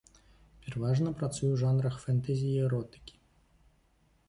Пераважна працуе ў жанрах фэнтэзі і эротыкі.